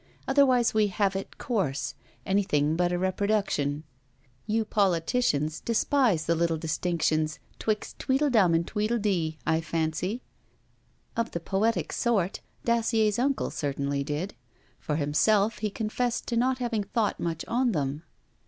Otherwise we have it coarse anything but a reproduction. You politicians despise the little distinctions "twixt tweedledum and tweedledee," I fancy.' Of the poetic sort, Dacier's uncle certainly did. For himself he confessed to not having thought much on them.